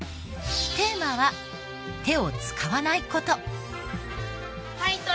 テーマは手を使わない事。